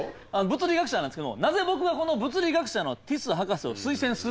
物理学者なんですけどもなぜ僕がこの物理学者のティス博士を推薦するのか。